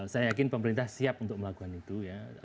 saya yakin pemerintah siap untuk melakukan itu ya